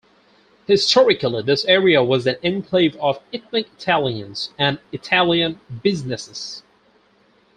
Historically this area was an enclave of ethnic Italians and Italian businesses.